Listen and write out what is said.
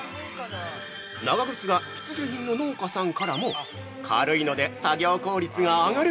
長靴が必需品の農家さんからも「軽いので作業効率が上がる」